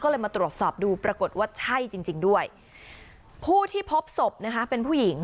ก็เลยมาตรวจสอบดูปรากฏว่าใช่จริงด้วยผู้ที่พบศพนะคะเป็นผู้หญิง